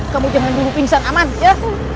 kamu jangan dulu pingsan aman ya